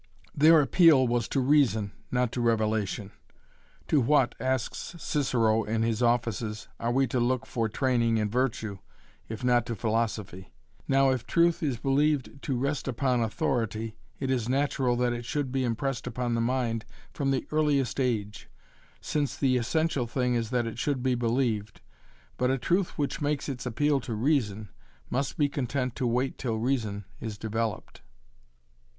Their appeal was to reason not to revelation. To what, asks Cicero in his Offices, are we to look for training in virtue, if not to philosophy? Now, if truth is believed to rest upon authority it is natural that it should be impressed upon the mind from the earliest age, since the essential thing is that it should be believed, but a truth which makes its appeal to reason must be content to wait till reason is developed.